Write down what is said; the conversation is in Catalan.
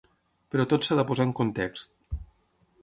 Però tot s’ha de posar en context.